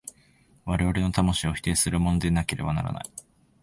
我々の魂を否定するものでなければならない。